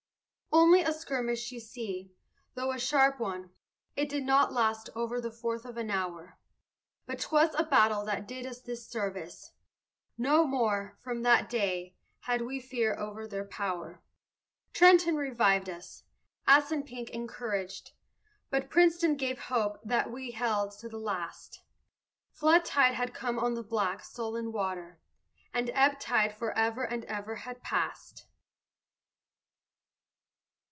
Only a skirmish, you see, though a sharp one It did not last over the fourth of an hour; But 'twas a battle that did us this service No more, from that day, had we fear of their power. Trenton revived us, Assunpink encouraged, But Princeton gave hope that we held to the last; Flood tide had come on the black, sullen water And ebb tide for ever and ever had passed.